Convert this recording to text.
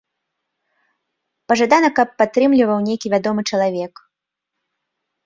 Пажадана, каб падтрымліваў нейкі вядомы чалавек.